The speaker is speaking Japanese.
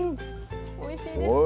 おいしいですよね。